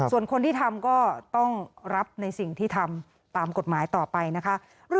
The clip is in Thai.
ส่วนคนที่ทำก็ต้องรับในสิ่งที่ทำตามกฎหมายต่อไปนะคะ